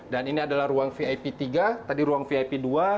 dan ini adalah ruang vip tiga tadi ruang vip dua